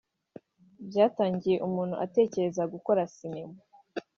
Byatangiye umuntu atekereza gukora sinema